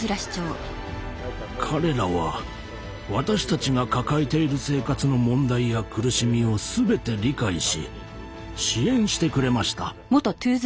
彼らは私たちが抱えている生活の問題や苦しみを全て理解し支援してくれました。